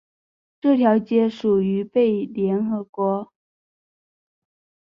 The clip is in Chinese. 这条街属于被联合国教科文组织列为世界遗产的区域。